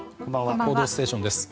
「報道ステーション」です。